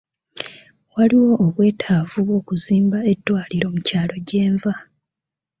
Waliwo obwetaavu bw'okuzimba eddwaliro mu kyalo gye nva.